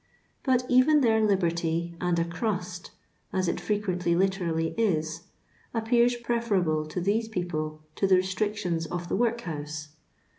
But even their liberty and a crust— as it frequently literally is — appears preferable to these people to the restdctions of the workhouse.